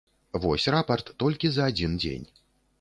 Вось рапарт толькі за адзін дзень.